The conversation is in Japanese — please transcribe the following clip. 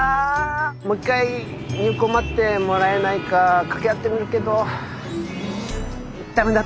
もう一回入稿待ってもらえないか掛け合ってみるけどダメだったら本当ごめん。